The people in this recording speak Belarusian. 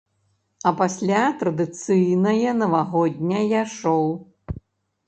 А пасля традыцыйнае навагодняе шоу.